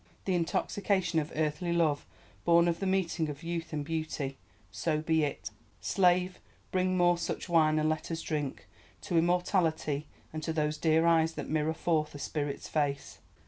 The intoxication of earthly love born of the meeting of youth and beauty. So be it! Slave, bring more such wine and let us drink—to Immortality and to those dear eyes that mirror forth a spirit's face!